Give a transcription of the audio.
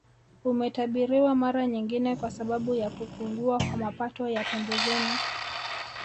Umetabiriwa mara nyingine kwa sababu ya kupungua kwa mapato ya pembezoni